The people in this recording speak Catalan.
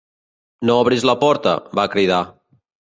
"No obris la porta", va cridar.